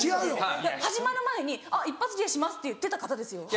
始まる前に「一発芸します」って言ってた方ですよ。